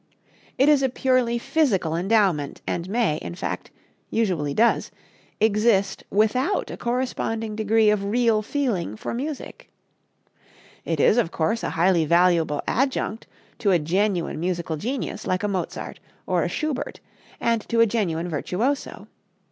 It is a purely physical endowment, and may in fact, usually does exist without a corresponding degree of real feeling for music. It is, of course, a highly valuable adjunct to a genuine musical genius like a Mozart or a Schubert and to a genuine virtuoso.